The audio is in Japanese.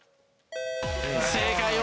正解。